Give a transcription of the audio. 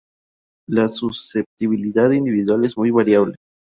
La susceptibilidad individual es muy variable.